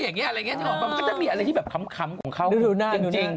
มันก็จะมีอะไรที่ใคร้มของเค้าการเติม